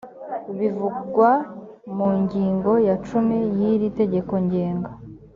bivugwa mu ngingo ya cumi y’ iri tegeko ngenga